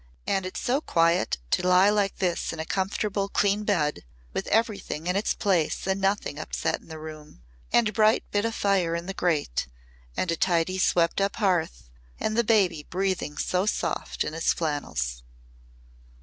"And it's so quiet to lie like this in a comfortable clean bed, with everything in its place and nothing upset in the room. And a bright bit of fire in the grate and a tidy, swept up hearth and the baby breathing so soft in his flannels."